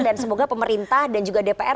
dan semoga pemerintah dan juga dpr